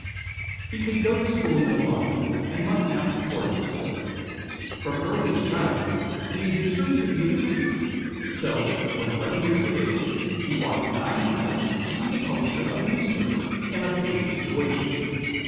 He could go to school no longer, and must now support himself. From earliest childhood he had determined to be a printer; so, when eleven years of age, he walked nine miles to see the publisher of a newspaper, and obtain a situation.